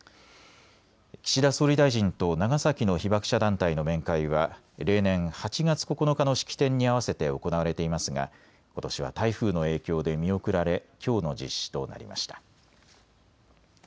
岸田総理大臣と長崎の被爆者団体の面会は例年、８月９日の式典に合わせて行われていますがことしは台風の影響で見送られきょうの実施となりました。